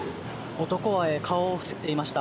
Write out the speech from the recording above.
男は顔を伏せていました。